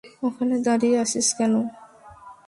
ওখানে দাঁড়িয়ে আছিস কেন?